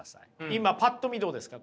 今パッと見どうですか？